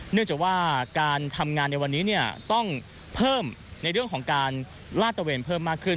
เนื่องจากว่าการทำงานในวันนี้ต้องเพิ่มในเรื่องของการลาดตะเวนเพิ่มมากขึ้น